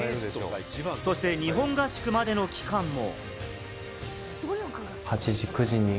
そして日本合宿までの期間も。